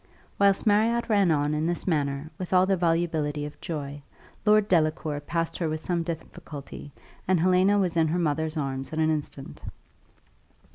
Whilst Marriott ran on in this manner with all the volubility of joy, Lord Delacour passed her with some difficulty, and Helena was in her mother's arms in an instant.